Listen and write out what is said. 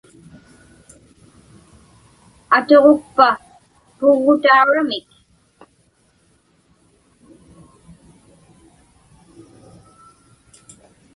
Atuġukpa puggutauramik?